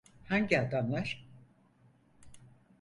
Hangi adamlar?